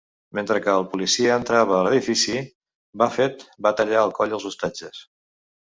Mentre que al policia entrava a l'edifici, Buffet va tallar el coll als hostatges.